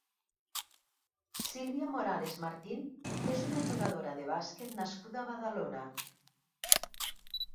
Silvia Morales Martín és una jugadora de bàsquet nascuda a Badalona.